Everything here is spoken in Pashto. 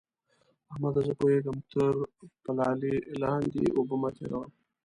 احمده! زه پوهېږم؛ تر پلالې لاندې اوبه مه تېروه.